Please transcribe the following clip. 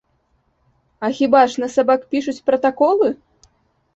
А хіба ж на сабак пішуць пратаколы?